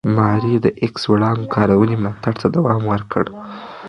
ماري د ایکس وړانګو کارونې ملاتړ ته دوام ورکړ.